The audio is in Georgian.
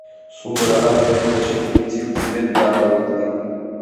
სულ რაღაც ექვს დღეში პრინცი მძიმედ დაავადდა.